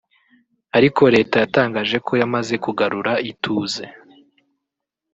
ariko Leta yatangaje ko yamaze kugarura ituze